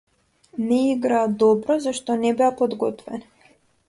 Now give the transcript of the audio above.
Не играа добро зашто не беа подготвени.